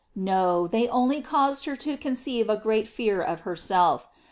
No, they only caused her to con ceive a great fear of herself.